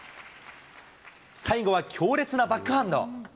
最後は強烈なバックハンド。